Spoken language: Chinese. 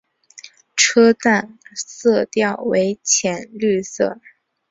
车站色调为浅绿色。